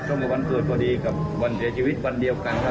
วันเกิดพอดีกับวันเสียชีวิตวันเดียวกันครับ